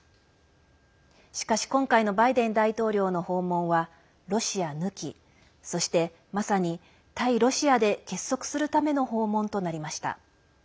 しかし、今回のバイデン大統領の訪問はロシア抜きそして、まさに対ロシアで結束するための訪問となりました。